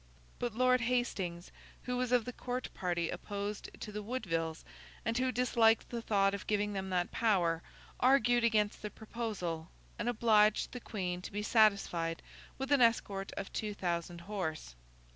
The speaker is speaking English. But, Lord Hastings, who was of the Court party opposed to the Woodvilles, and who disliked the thought of giving them that power, argued against the proposal, and obliged the Queen to be satisfied with an escort of two thousand horse.